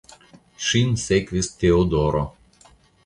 Ŝin sekvis Teodoro.